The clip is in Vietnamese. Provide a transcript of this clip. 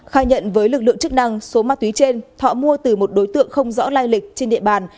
khai nhận với lực lượng chức năng số ma túy trên thọ mua từ một đối tượng không rõ lai lịch trên địa bàn